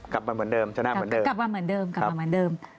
กลับมาเหมือนเดิม